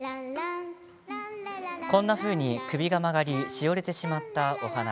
こんなふうに、首が曲がりしおれてしまったお花。